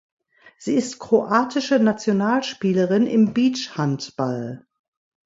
Sie ist kroatische Nationalspielerin im Beachhandball.